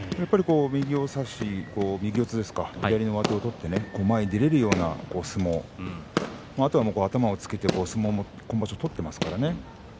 右を差して右四つですか、左の上手を取って前に出られる相撲、あとは頭をつける相撲も今場所取っていますからね。